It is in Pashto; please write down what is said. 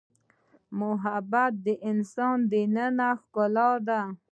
محبت د انسان دنننۍ ښکلا ده.